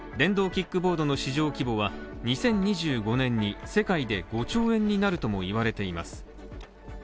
電動キックボードの市場規模は２０２５年に世界で５兆円になるとも言われています。